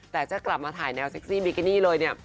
แต่จะกลับมาถ่ายแนวเซ็กซี่บิกินี่เลยเนี่ย